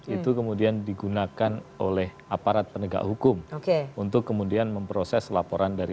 itu kemudian digunakan oleh aparat penegak hukum untuk kemudian memproses laporan dari